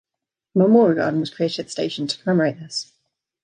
A memorial garden was created at the station to commemorate this.